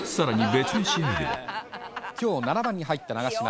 今日７番に入った長嶋３回です。